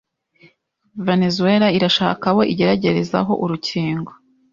Venezuela irashaka abo igeragerezaho urukingo